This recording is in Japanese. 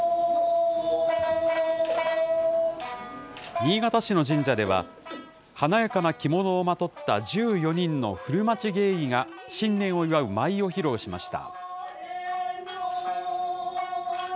新潟市の神社では、華やかな着物をまとった１４人の古町芸妓が、新年を祝う舞を披露しました。